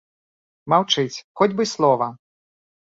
Маўчыць, хоць бы слова.